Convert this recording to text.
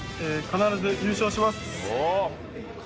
必ず優勝します。